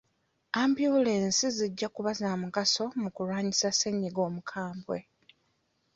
Ambyulensi zijja kuba za mugaso mu kulwanyisa Ssennyinga omukabwe.